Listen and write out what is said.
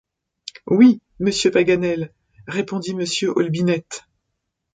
Oui, monsieur Paganel, répondit Mr. Olbinett.